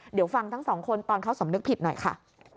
เดี๋ยวฟังทั้งสองคนตอนเขาสำนึกผิดหน่อยค่ะ